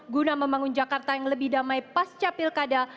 guna membangun jakarta yang lebih damai pascapilkada